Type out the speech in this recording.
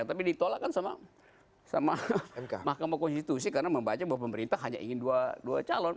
tapi ditolak kan sama mahkamah konstitusi karena membaca bahwa pemerintah hanya ingin dua calon